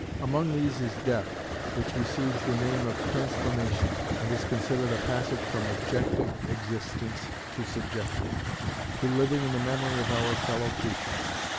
Among these is death, which receives the name of transformation, and is considered as a passage from objective existence to subjective to living in the memory of our fellow creatures.